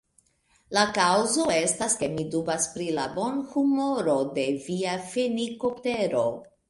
La kaŭzo estas, ke mi dubas pri la bonhumoro de via fenikoptero.